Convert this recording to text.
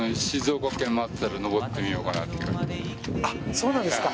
あっそうなんですか。